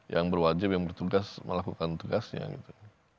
yang berwajib yang bertugas melakukan tugasnya gitu